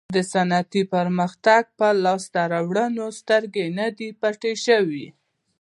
د صنعتي پرمختګ پر لاسته راوړنو سترګې نه دي پټې شوې.